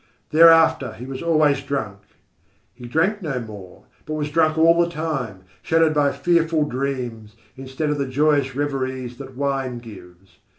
Thereafter he was always drunk. He drank no more, but was drunk all the time, shadowed by fearful dreams, instead of the joyous reveries that wine gives.